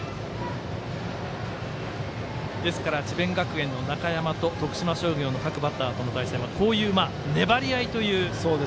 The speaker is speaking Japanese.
智弁学園の中山と徳島商業の各バッターの対戦はこういう粘り合いという。